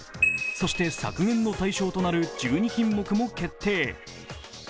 そして削減の対象となる１２品目も決定。